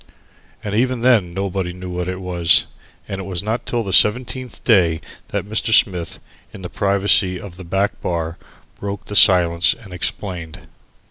And even then nobody knew what it was, and it was not till the seventeenth day that Mr. Smith, in the privacy of the back bar, broke the silence and explained.